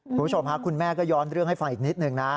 คุณผู้ชมฮะคุณแม่ก็ย้อนเรื่องให้ฟังอีกนิดหนึ่งนะ